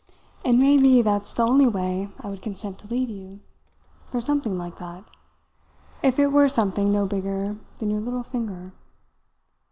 And may be that's the only way I would consent to leave you. For something like that. If it were something no bigger than your little finger."